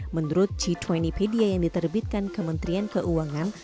menurut g dua puluh media yang diterbitkan kementerian keuangan